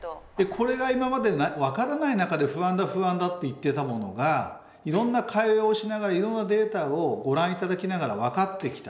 これが今まで分からない中で不安だ不安だって言ってたものがいろんな会話をしながらいろんなデータをご覧いただきながら分かってきた。